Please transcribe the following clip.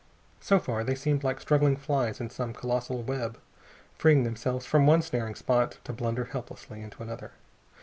So far they seemed like struggling flies in some colossal web, freeing themselves from one snaring spot to blunder helplessly into another.